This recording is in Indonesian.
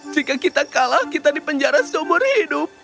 jika kita kalah kita dipenjara seumur hidup